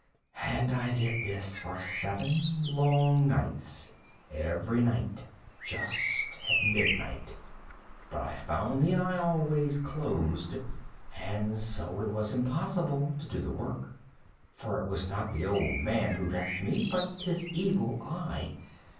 And this I did for seven long nights—every night just at midnight—but I found the eye always closed; and so it was impossible to do the work; for it was not the old man who vexed me, but his Evil Eye.